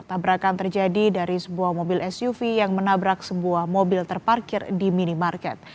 tabrakan terjadi dari sebuah mobil suv yang menabrak sebuah mobil terparkir di minimarket